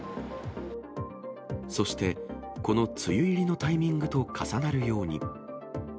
そして、この梅雨入りのタイミングと重なるように。